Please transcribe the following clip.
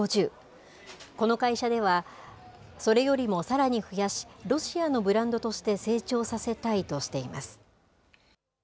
この会社では、それよりもさらに増やし、ロシアのブランドとして成長させたいとしています。